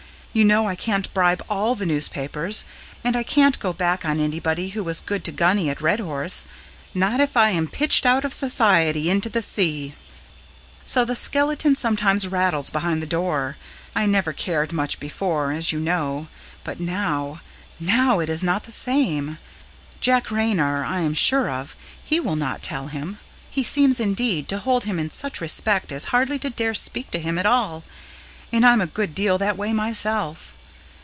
You know I can't bribe ALL the newspapers, and I can't go back on anybody who was good to Gunny at Redhorse not if I'm pitched out of society into the sea. So the skeleton sometimes rattles behind the door. I never cared much before, as you know, but now NOW it is not the same. Jack Raynor I am sure of he will not tell him. He seems, indeed, to hold him in such respect as hardly to dare speak to him at all, and I'm a good deal that way myself.